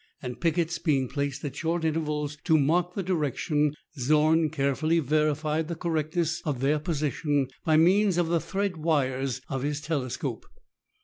and pickets being placed at short intervals to mark the direction, Zorn carefully verified the correctness of their position by means of the thread wires of his telescope.